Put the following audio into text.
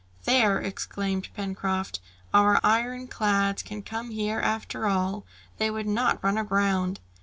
"There," exclaimed Pencroft, "our iron clads can come here after all! They would not run aground!"